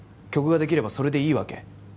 曲ができればそれでいいわけ？